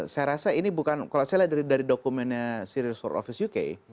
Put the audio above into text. saya rasa ini bukan kalau saya lihat dari dokumennya sirius world office uk